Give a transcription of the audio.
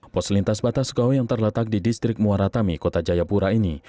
pos lintas batas skao yang terletak di distrik muaratami kota jayapura ini